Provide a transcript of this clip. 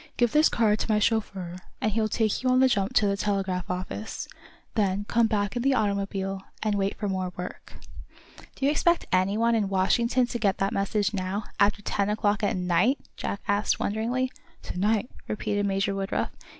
"Give this card to my chauffeur, and he'll take you on the jump to the telegraph office. Then come back in the automobile, and wait for more work." "Do you expect anyone in Washington to get that message now, after ten o'clock at night?" Jack asked, wonderingly. "To night?" repeated Major Woodruff.